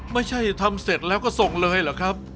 ไม่ใช่ทำเสร็จแล้วก็ส่งเลยเหรอครับ